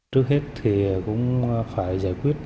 trước hết thì cũng phải giải quyết